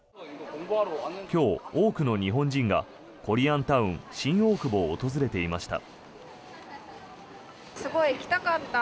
今日、多くの日本人がコリアンタウン新大久保を訪れていました。